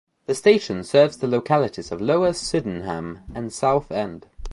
The station serves the localities of Lower Sydenham and Southend.